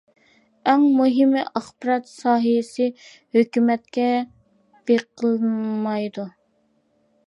ئەڭ مۇھىمى ئاخبارات ساھەسى ھۆكۈمەتكە بېقىنمايدۇ.